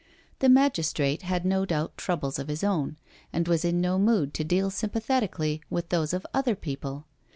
The magistrate had no doubt troubles of his own, and was in no mood to deal sympathetically with those of other people.